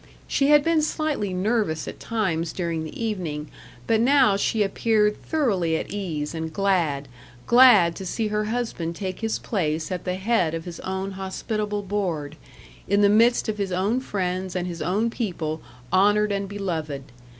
She had been slightly nervous at times during the evening, but now she appeared thoroughly at ease and glad glad to see her husband take his place at the head of his own hospitable board, in the midst of his own friends and his own people honoured and beloved.